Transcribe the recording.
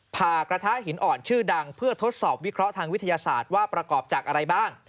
ผ่ากระทะหินอ่อนชื่อดังเพื่อทดสอบวิเคราะห์ทางวิทยาศาสตร์ว่าประกอบจากอะไรบ้าง